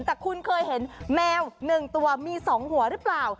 แต่คุณเคยเห็นแมว๑ตัวมี๒หัวหรือเปล่า